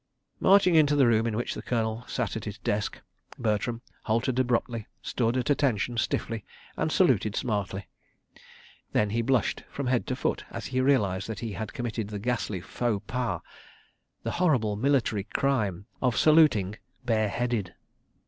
... Marching into the room in which the Colonel sat at his desk, Bertram halted abruptly, stood at attention stiffly, and saluted smartly. Then he blushed from head to foot as he realised that he had committed the ghastly faux pas, the horrible military crime, of saluting bare headed.